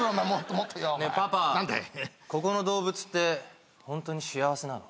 ここの動物ってホントに幸せなの？